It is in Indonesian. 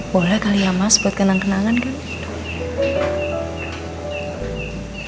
boleh kali ya mas buat kenang kenangan kan